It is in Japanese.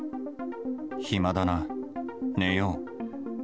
暇だな、寝よう。